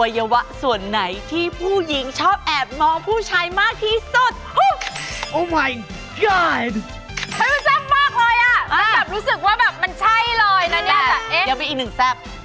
ยังมีอีกหนึ่งแซ่บเนี่ยแซ่บ